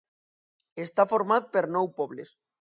Estava format per nou pobles.